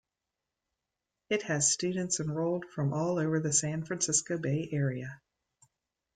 It has students enrolled from all over the San Francisco Bay area.